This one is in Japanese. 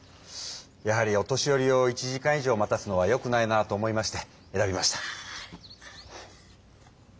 やはりお年寄りを１時間以上待たすのはよくないなと思いまして選びました。